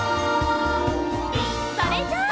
それじゃあ。